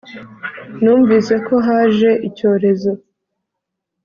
Numviseko haje icyorezo